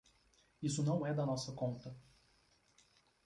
Isso não é da nossa conta.